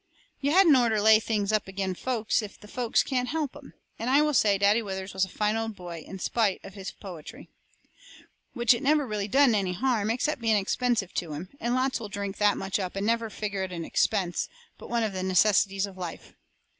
You hadn't orter lay things up agin folks if the folks can't help 'em. And I will say Daddy Withers was a fine old boy in spite of his poetry. Which it never really done any harm, except being expensive to him, and lots will drink that much up and never figger it an expense, but one of the necessities of life.